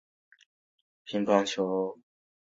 他的父亲是乒乓球名将吕林。